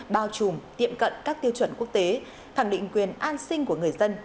bao trùm tiệm cận các tiêu chuẩn quốc tế khẳng định quyền an sinh của người dân